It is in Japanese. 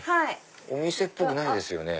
お店っぽくないですよね。